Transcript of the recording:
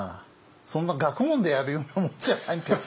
そんな学問でやるようなもんじゃないんですよ